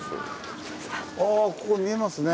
あここ見えますね。